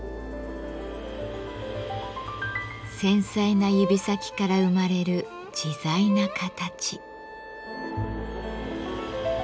繊細な指先から生まれる自在な形。